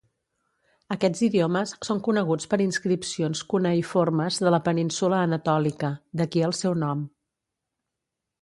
Aquests idiomes són coneguts per inscripcions cuneïformes de la península Anatòlica, d'aquí el seu nom.